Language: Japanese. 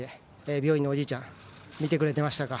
病院のおじいちゃん見てくれてましたか？